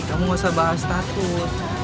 kamu gak usah bahas status